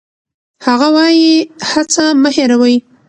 هغه وايي، هڅه مه هېروئ.